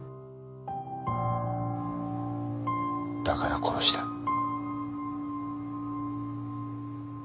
だから殺した。